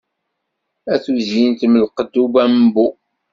A tuzyint mm lqedd ubabmbu!